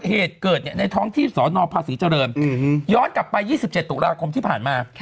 เหตุเกิดในท้องที่สนภาษีเจริญย้อนกลับไป๒๗ตุลาคมที่ผ่านมา